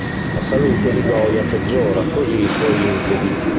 La salute di Goya peggiora, così i suoi incubi.